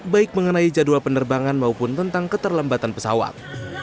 baik mengenai jadwal penerbangan maupun tentang keterlambatan pesawat